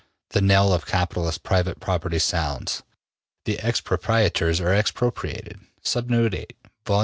The knell of capitalist private property sounds. The expropriators are expropriated, Vol.